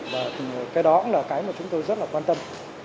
và cái đó cũng là cái mà chúng tôi rất là quan tâm